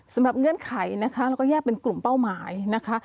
สำหรับเงื่อนไขเราก็แยกเป็นกลุ่มเป้าหมายนะคะ